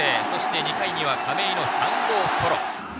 ２回には亀井の３号ソロ。